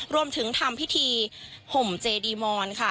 รวมถึงทำพิธีห่มเจดีมอนค่ะ